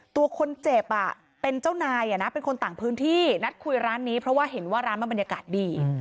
ตัวคนเจ็บเป็นเจ้านายเป็นคนต่างพื้นที่นัดคุยร้านนี้เพราะว่าเห็นว่าร้านมันบรรยากาศดี